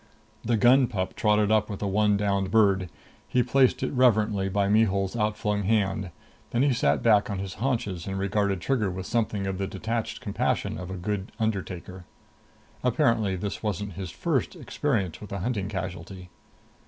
The gun pup trotted up with the one downed bird. He placed it reverently by Mihul's outflung hand. Then he sat back on his haunches and regarded Trigger with something of the detached compassion of a good undertaker. Apparently this wasn't his first experience with a hunting casualty.